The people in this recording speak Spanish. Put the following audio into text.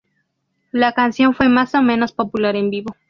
La canción fue más o menos popular en vivo.